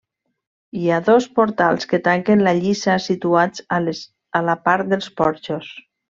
Hi ha dos portals que tanquen la lliça situats a la part dels porxos.